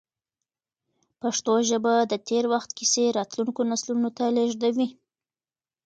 پښتو ژبه د تېر وخت کیسې راتلونکو نسلونو ته لېږدوي.